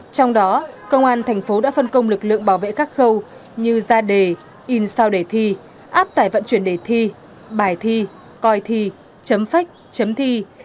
trong đó công an thành phố đã phân công lực lượng bảo vệ các khâu như ra đề in sao đề thi áp tải vận chuyển đề thi bài thi coi thi chấm phách chấm thi